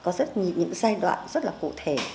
có rất nhiều những giai đoạn rất là cụ thể